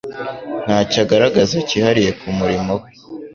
ntacyo agaragaza cyihariye ku murimo We